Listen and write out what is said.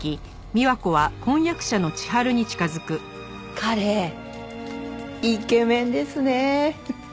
彼イケメンですねえ。